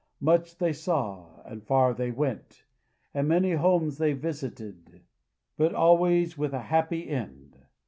Much they saw, and far they went, and many homes they visited, but always with a happy end.